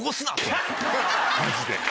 マジで。